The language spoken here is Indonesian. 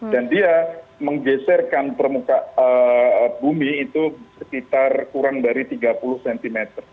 dan dia menggeserkan permuka bumi itu sekitar kurang dari tiga puluh cm